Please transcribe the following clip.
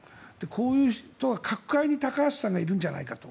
こういう人、各界に高橋さんがいるんじゃないかと。